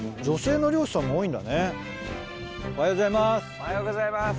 おはようございます。